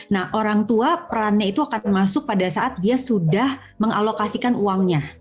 nah orang tua perannya itu akan masuk pada saat dia sudah mengalokasikan uangnya